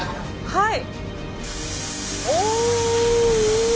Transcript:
はい。